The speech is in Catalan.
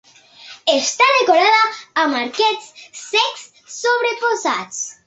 Està decorada amb arquets cecs sobreposats.